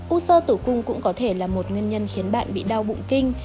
u sơ tử cung cũng có thể là một nguyên nhân khiến bạn bị đau bụng kinh